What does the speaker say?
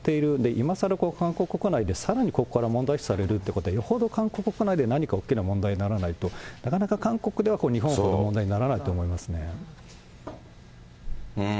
今さら韓国国内でさらにここから問題視されるということは、よほど韓国国内で何か大きな問題にならないと、なかなか韓国では日本ほど問題にはならないと思いますね。